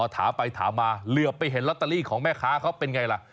ถามไปถามมาเหลือไปเห็นลอตเตอรี่ของแม่ค้าเขาเป็นไงล่ะ